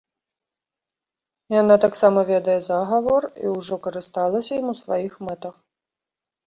Яна таксама ведае загавор і ўжо карысталася ім у сваіх мэтах.